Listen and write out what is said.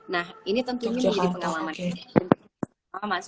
nah ini tentunya menjadi pengalaman